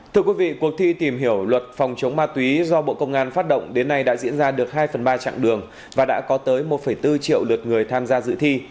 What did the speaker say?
thưa quý vị cuộc thi tìm hiểu luật phòng chống ma túy do bộ công an phát động đến nay đã diễn ra được hai phần ba chặng đường và đã có tới một bốn triệu lượt người tham gia dự thi